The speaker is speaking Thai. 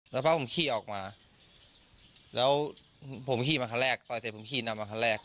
แล้วพ่อผมขี่ออกมาแล้วผมขี่มาคันแรกต่อยเสร็จผมขี่นำมาคันแรก